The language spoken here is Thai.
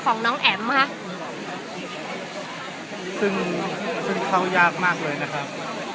ของน้องแอ๋มค่ะซึ่งซึ่งเข้ายากมากเลยนะครับ